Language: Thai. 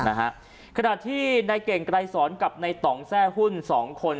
ขณะที่ในเก่งไกรสอนกับในต่องแทร่หุ้นสองคน